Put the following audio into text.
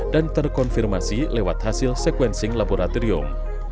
dan terkonfirmasi lewat hasil sequencing laboratorium